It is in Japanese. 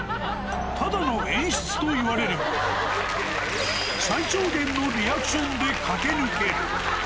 ただの演出と言われれば、最小限のリアクションで駆け抜ける。